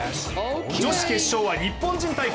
女子決勝は日本人対決。